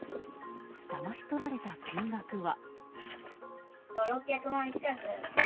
だまし取られた金額は。